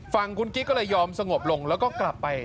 ฟังคุณกิ๊กก็ไรอมสงบลงและกลับไป